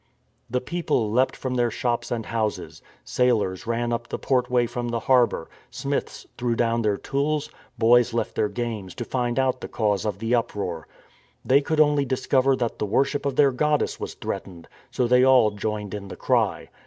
The people leapt from their shops and houses. Sailors ran up the portway from the harbour; smiths THE DEFIANCE OF ARTEMIS 263 threw down their tools; boys left their games, to find out the cause of the uproar. They could only discover that the worship of their goddess was threatened, so they all joined in the cry.